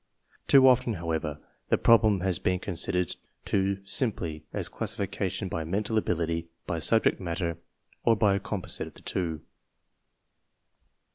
Too often, however, the problem has been considered too simply as classification by mental abil ity, by subject matter, or by a composite of the two.